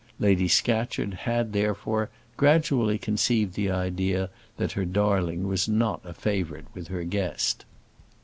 Lady Scatcherd had, therefore, gradually conceived the idea that her darling was not a favourite with her guest.